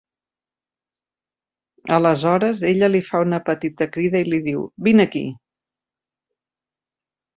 Aleshores, ella li fa una petita crida i li diu: "Vine aquí!"